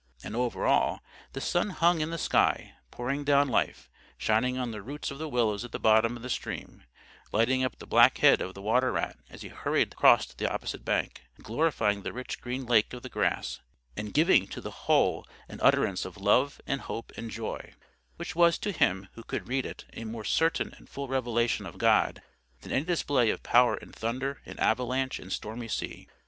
And over all, the sun hung in the sky, pouring down life; shining on the roots of the willows at the bottom of the stream; lighting up the black head of the water rat as he hurried across to the opposite bank; glorifying the rich green lake of the grass; and giving to the whole an utterance of love and hope and joy, which was, to him who could read it, a more certain and full revelation of God than any display of power in thunder, in avalanche, in stormy sea.